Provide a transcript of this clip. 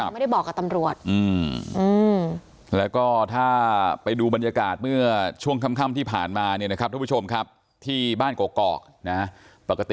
ไม่ได้บอกกับตำรวจแล้วก็ถ้าไปดูบรรยากาศเมื่อช่วงค่ำที่ผ่านมาเนี่ยนะครับทุกผู้ชมครับที่บ้านกอกนะปกติ